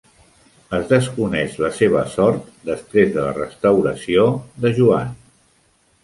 Es desconeix la seva sort després de la restauració de Joan.